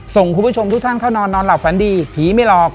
ส่งคุณผู้ชมทุกท่านเข้านอนนอนหลับฝันดีผีไม่หลอก